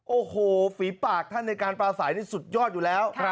โอ้โหฝีปากท่านในการปลาสายนี่สุดยอดอยู่แล้ว